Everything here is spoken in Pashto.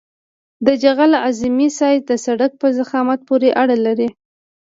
د جغل اعظمي سایز د سرک په ضخامت پورې اړه لري